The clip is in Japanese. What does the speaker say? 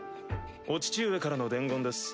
お父上からの伝言です。